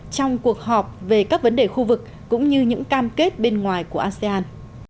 trong cuộc họp về các vấn đề khu vực cũng như những cam kết bên ngoài của asean